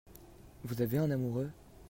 Vous avez un amoureux ?